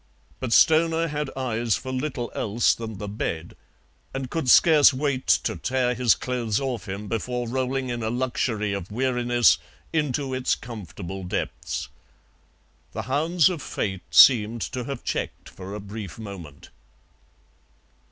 But Stoner had eyes for little else than the bed, and could scarce wait to tear his clothes off him before rolling in a luxury of weariness into its comfortable depths. The hounds of Fate seemed to have checked for a brief moment.